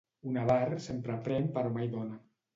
Un avar sempre pren però mai dóna.